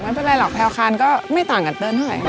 ไม่เป็นไรหรอกแพลวคารก็ไม่ต่างกับเติ้ลหน่อย